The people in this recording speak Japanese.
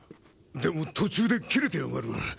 でも途中で切れてやがる。